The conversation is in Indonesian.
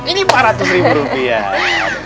ini empat ratus ribu rupiah